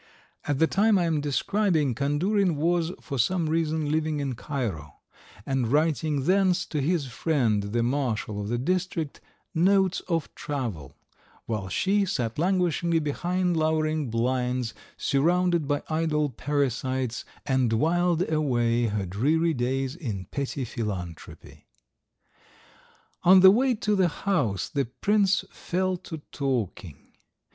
At the time I am describing, Kandurin was for some reason living in Cairo, and writing thence to his friend, the marshal of the district, "Notes of Travel," while she sat languishing behind lowered blinds, surrounded by idle parasites, and whiled away her dreary days in petty philanthropy. On the way to the house the prince fell to talking.